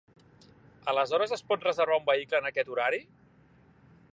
Aleshores es pot reservar un vehicle en aquest horari?